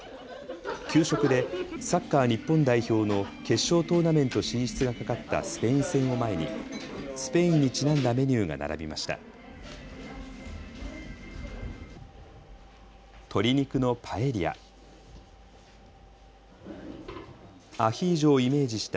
給食でサッカー日本代表の決勝トーナメント進出がかかったスペイン戦を前にスペインにちなんだメニューが並びました。